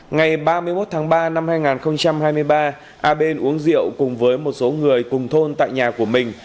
ngày ba mươi một tháng ba năm hai nghìn hai mươi ba a bên uống rượu cùng với một số người cùng thôn tại nhà của mình